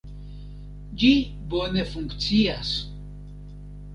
Ĝi bone funkcias.